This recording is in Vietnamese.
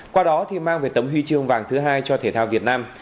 qua đó thì mang về tấm huy chương vàng thứ hai cho thể thao việt nam